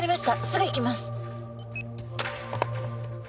すぐ行きます。